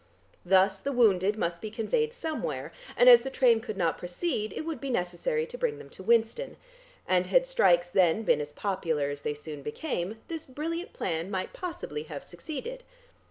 Thus the wounded must be conveyed somewhere, and as the train could not proceed, it would be necessary to bring them to Winston, and had strikes then been as popular as they soon became, this brilliant plan might possibly have succeeded.